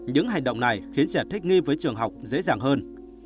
những hành động này khiến trẻ thích nghi với trường học dễ dàng hơn